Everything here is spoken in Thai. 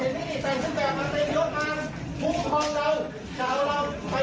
ไม่มือครอบครัวละ